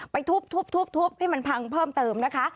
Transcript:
ไปทุบทุบทุบทุบทุบให้มันพังเพิ่มเติมนะคะ